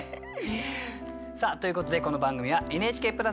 さあということでこの番組はＮＨＫプラスでもご覧頂けます。